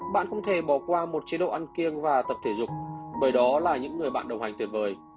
bạn không thể bỏ qua một chế độ ăn kiêng và tập thể dục bởi đó là những người bạn đồng hành tuyệt vời